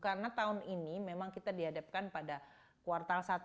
karena tahun ini memang kita dihadapkan pada kuartal satu